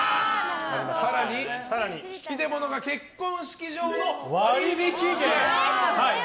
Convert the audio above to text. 更に、引き出物が結婚式場の割引券。